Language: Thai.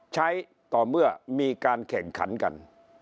ใช้ต่อเมื่อมีการแข่งขันกัน